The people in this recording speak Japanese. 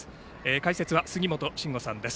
解説は杉本真吾さんです。